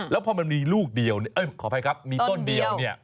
แล้วพอมันมีลูกเดียวขออภัยครับมีต้นเดียวเนี่ย